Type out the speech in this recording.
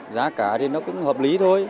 giá cả thì nó cũng hợp lý thôi